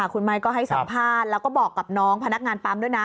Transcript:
คุณไม้ก็ให้สัมภาษณ์แล้วก็บอกกับน้องพนักงานปั๊มด้วยนะ